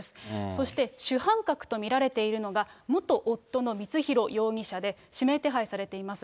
そして主犯格と見られているのが、元夫の光弘容疑者で、指名手配されています。